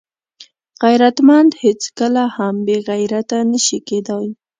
غیرتمند هیڅکله هم بېغیرته نه شي کېدای